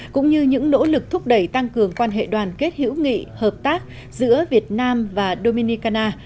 cũng như những nỗ lực thúc đẩy tăng cường quan hệ đoàn kết hữu nghị hợp tác giữa việt nam và dominicana